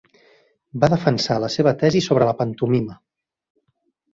Va defensar la seva tesi sobre la pantomima.